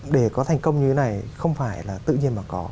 để có thành công như thế này không phải là tự nhiên mà có